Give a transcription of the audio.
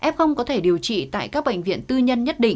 f có thể điều trị tại các bệnh viện tư nhân nhất định